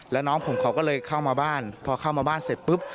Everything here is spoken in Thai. แล้วน้องผมเขาก็เลยเข้ามาบ้านพอเข้ามาบ้านเสร็จปุ๊บ